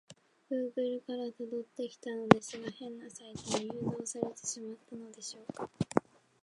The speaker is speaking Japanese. グーグルから辿ってきたのですが、変なサイトに誘導されてしまったのでしょうか？